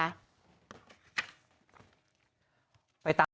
ไว้ตาม